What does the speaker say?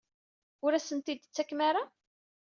Ur asent-tent-id-tettakem ara?